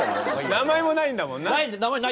名前もないんだもんな。